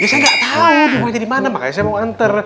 ya saya gak tau di mana makanya saya mau antar